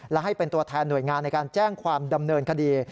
และให้เป็นตัวแทนหน่วยงานในการแจ้งความดำเนินคดี